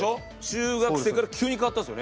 中学生から急に変わったんですよね？